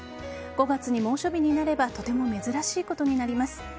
５月に猛暑日になればとても珍しいことになります。